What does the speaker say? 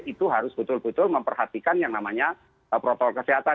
itu harus betul betul memperhatikan yang namanya protokol kesehatan